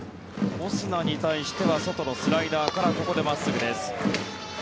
オスナに対しては外のスライダーからここで真っすぐです。